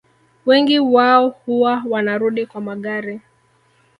Wengi wao huwa wanarudi kwa magari